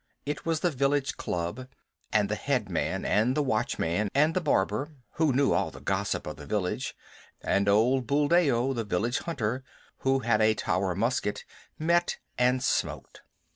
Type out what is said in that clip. It was the village club, and the head man and the watchman and the barber, who knew all the gossip of the village, and old Buldeo, the village hunter, who had a Tower musket, met and smoked.